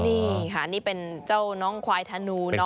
นี่ค่ะนี่เป็นเจ้าน้องควายถนูน้องรับเงิน